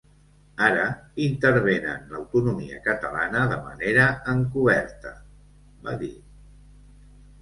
Ara intervenen l’autonomia catalana de manera encoberta, va dir.